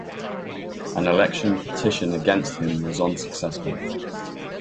An election petition against him was unsuccessful.